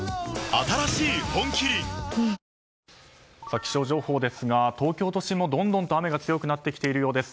気象情報ですが東京都心もどんどんと雨が強くなってきているようです。